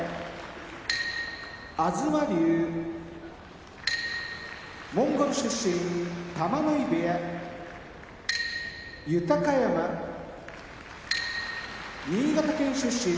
東龍モンゴル出身玉ノ井部屋豊山新潟県出身